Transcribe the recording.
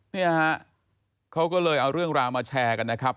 เนี่ยฮะเขาก็เลยเอาเรื่องราวมาแชร์กันนะครับ